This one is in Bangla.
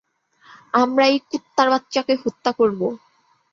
আমরা এই কুত্তার বাচ্চাকে হত্যা করব।